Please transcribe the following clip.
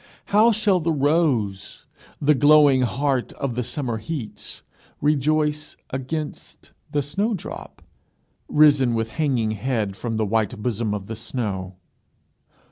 How shall the rose, the glowing heart of the summer heats, rejoice against the snowdrop risen with hanging head from the white bosom of the snow?